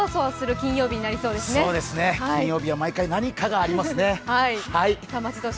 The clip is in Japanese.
金曜日は毎回何かがありますね。